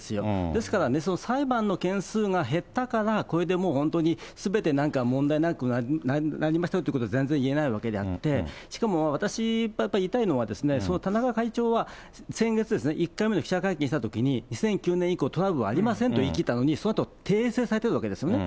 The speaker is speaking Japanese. ですからね、その裁判の件数が減ったから、これでもう本当にすべてなんか問題なくなりましたよということは全然言えないわけでありまして、しかも私、やっぱり言いたいのは、その田中会長は、先月、１回目の記者会見したときに、２００９年以降トラブルありませんと言い切ったのに、そのあと訂正されてるわけですよね。